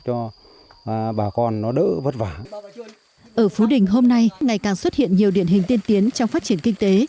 ở phú đình hôm nay ngày càng xuất hiện nhiều điển hình tiên tiến trong phát triển kinh tế